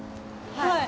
はい。